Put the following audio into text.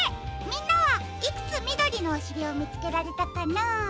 みんなはいくつみどりのおしりをみつけられたかな？